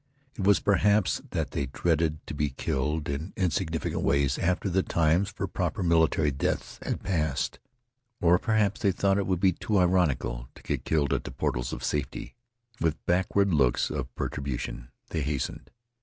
It was perhaps that they dreaded to be killed in insignificant ways after the times for proper military deaths had passed. Or, perhaps, they thought it would be too ironical to get killed at the portals of safety. With backward looks of perturbation, they hastened.